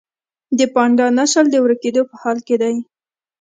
د پاندا نسل د ورکیدو په حال کې دی